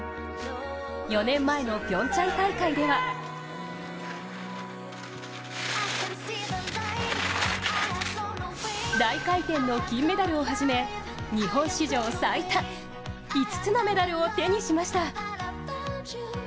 ４年前のピョンチャン大会では大回転の金メダルをはじめ、日本史上最多、５つのメダルを手にしました。